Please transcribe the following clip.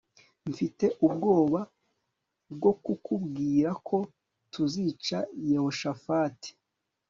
mfite ubwoba bwo kukubwira ko tuzica yehoshafati